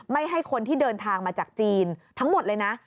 ให้คนที่เดินทางมาจากจีนทั้งหมดเลยนะ